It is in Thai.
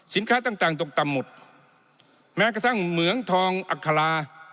ต่างต่างตกต่ำหมดแม้กระทั่งเหมืองทองอัครา